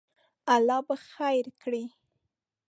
الله به خیر کړی